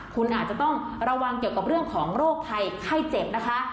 คุณอาจจะต้องระวังเกี่ยวกับเรื่องของโรคภัยไข้เจ็บนะคะ